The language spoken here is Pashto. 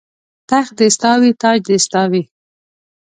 تخت دې ستا وي تاج دې ستا وي